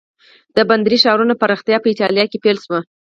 د بندري ښارونو پراختیا په ایټالیا کې پیل شوه.